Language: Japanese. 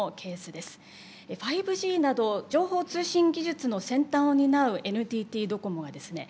５Ｇなど情報通信技術の先端を担うＮＴＴドコモはですね